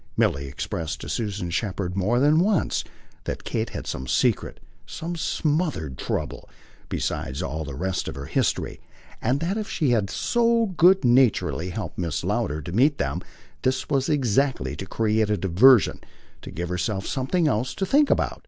Milly expressed to Susan Shepherd more than once that Kate had some secret, some smothered trouble, besides all the rest of her history; and that if she had so good naturedly helped Mrs. Lowder to meet them this was exactly to create a diversion, to give herself something else to think about.